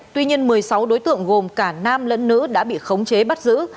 tuy nhiên một mươi sáu đối tượng gồm cả nam lẫn nữ đã bị khống chế bắt giữ